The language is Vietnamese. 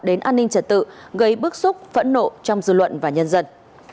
đến an ninh trật tự gây bức xúc phẫn nộ trong dư luận và nhân dân